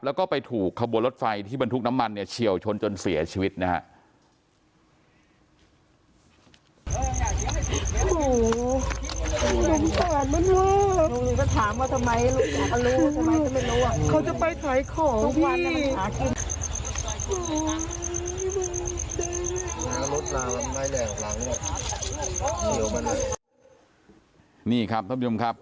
แล้วก็ไปถูกขบวนรถไฟที่บรรทุกน้ำมันเนี่ยเฉียวชนจนเสียชีวิตนะครับ